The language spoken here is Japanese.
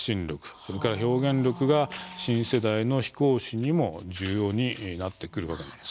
それから表現力が新世代の飛行士にも重要になってくるわけです。